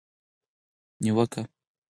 نیوکه